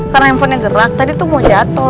karena handphone nya gerak tadi tuh mau jatuh